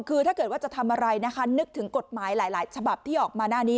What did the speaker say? คือถ้าเกิดว่าจะทำอะไรนะคะนึกถึงกฎหมายหลายฉบับที่ออกมาหน้านี้